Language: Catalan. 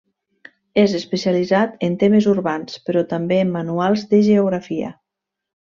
És especialitzat en temes urbans però també en manuals de geografia.